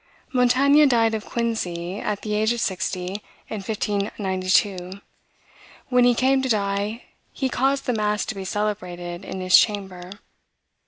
Montaigne died of a quinsy, at the age of sixty, in 1592. When he came to die, he caused the mass to be celebrated in his chamber.